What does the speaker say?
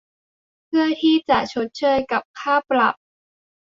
เพื่อที่จะชดเชยกับค่าปรับ